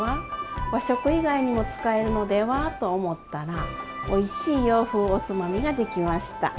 和食以外にも使えるのでは？」と思ったらおいしい洋風おつまみができました！